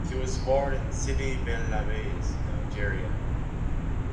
He was born in Sidi bel Abbes in Algeria.